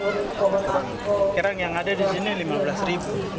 sekarang yang ada di sini lima belas ribu